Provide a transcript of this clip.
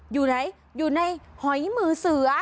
อยู่ไหนอยู่ในหอยมือเสือ